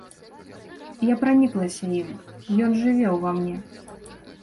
Я праніклася ім, ён жыве ўва мне.